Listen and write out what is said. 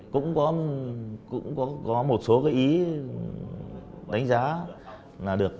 cũng có một số cái ý đánh giá là được